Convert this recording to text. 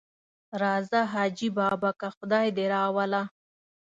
راځه حاجي بابکه خدای دې راوله.